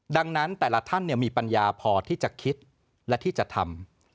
ดังนั้นแต่ละท่านมีปัญญาพอที่จะคิดและที่จะทำ